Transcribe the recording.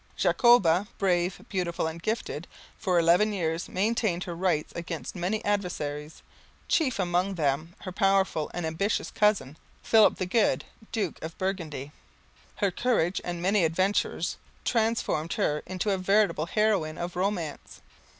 Jacoba, brave, beautiful and gifted, for eleven years maintained her rights against many adversaries, chief among them her powerful and ambitious cousin, Philip the Good, Duke of Burgundy. Her courage and many adventures transformed her into a veritable heroine of romance.